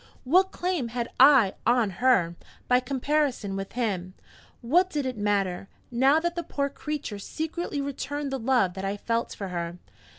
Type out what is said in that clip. What claim had I on her, by comparison with him? What did it matter, now that the poor creature secretly returned the love that I felt for her?